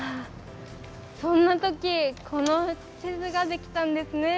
そんなときこの施設ができたんですね。